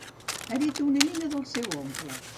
Hereta una mina del seu oncle.